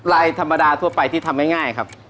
ธรรมดาทั่วไปที่ทำง่ายครับ